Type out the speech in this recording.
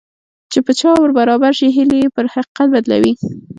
چې په چا ور برابر شي هيلې يې پر حقيقت بدلوي.